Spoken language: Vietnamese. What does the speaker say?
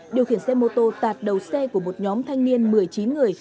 điều khiển xe mô tô tạt đầu xe của một nhóm thanh niên một mươi chín người